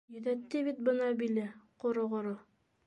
Йөҙәтте бит бына биле, ҡороғоро.